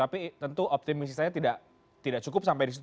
tapi tentu optimisinya tidak cukup sampai disitu